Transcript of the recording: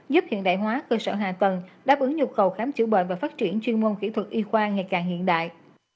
giúp hiện đại hóa cơ sở hạ tầng đáp ứng nhu cầu khám chữa bệnh và phát triển chuyên môn kỹ thuật y khoa ngày càng hiện đại